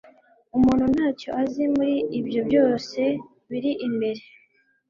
umuntu nta cyo azi muri ibyo byose biri imbere